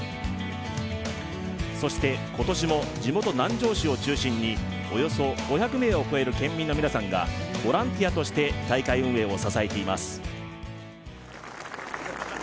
そして、今年も地元・南城市を中心におよそ５００名を超える県民の皆さんがボランティアとして大会運営を支えています。